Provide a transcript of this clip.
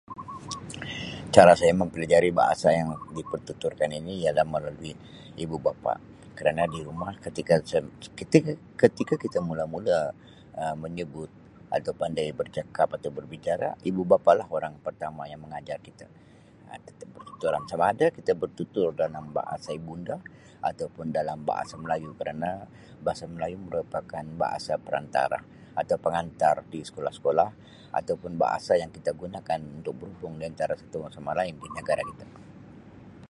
Cara saya mempelajari bahasa yang dipertuturkan ini ialah melalui ibu bapa kerana di rumah ketika sa-keti-ketika kita mula-mula Um menyebut atau pandai bercakap atau berbicara, ibu bapa lah orang pertama yang mengajar kita Um pertuturan sama ada kita bertutur dalam bahasa ibunda atau pun dalam bahasa melayu kerana bahasa melayu merupakan bahasa perantara atau pengantar di sekolah-sekolah atau pun bahasa yang kita gunakan untuk berhubung di antara satu sama lain di negara kita.